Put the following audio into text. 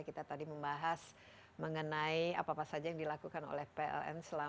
kita tadi bersama dengan pak presiden pak presiden mas mada